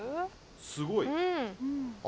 すごい！